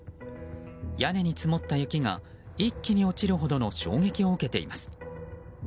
屋根に積もった雪が一気に落ちるほどの衝撃を受けています。